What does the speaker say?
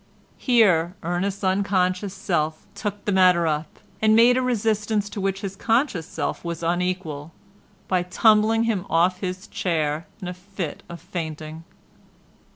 Here Ernest's unconscious self took the matter up and made a resistance to which his conscious self was unequal, by tumbling him off his chair in a fit of fainting.